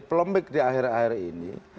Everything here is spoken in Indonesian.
polemik di akhir akhir ini